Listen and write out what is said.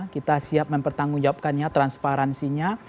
kita siap mempertanggung jawabkannya transparansinya